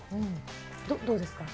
どうですか？